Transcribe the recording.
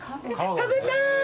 食べたい！